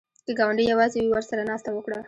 که ګاونډی یواځې وي، ورسره ناسته وکړه